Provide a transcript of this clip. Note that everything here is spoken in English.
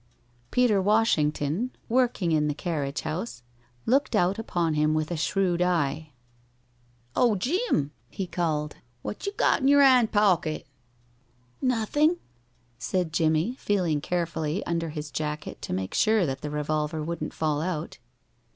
Peter Washington, working in the carriage house, looked out upon him with a shrewd eye. "Oh, Jim," he called, "wut you got in yer hind pocket?" "Nothin'," said Jimmie, feeling carefully under his jacket to make sure that the revolver wouldn't fall out.